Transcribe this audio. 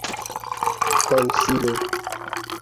konsilo